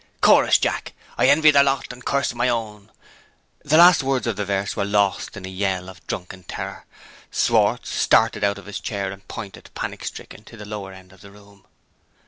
"Chorus, Jack! 'I envied their lot and cursed my own' " The last words of the verse were lost in a yell of drunken terror. Schwartz started out of his chair, and pointed, panic stricken, to the lower end of the room.